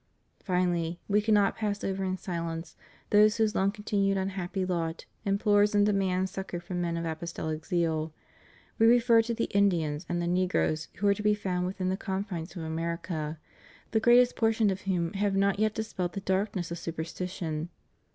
Finally, We cannot pass over in silence those whose long continued unhappy lot implores and demands suc cor from men of apostolic zeal; We refer to the Indians and the negroes who are to be found within the confines of America, the greatest portion of whom have not yet dispelled the darkness of superstition.